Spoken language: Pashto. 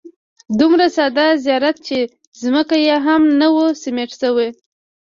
دومره ساده زیارت چې ځمکه یې هم نه وه سیمټ شوې.